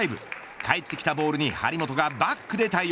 返ってきたボールに張本がバックで対応。